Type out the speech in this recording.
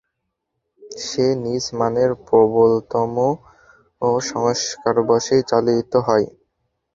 সে নিজ মনের প্রবলতম সংস্কারবশেই চালিত হয়।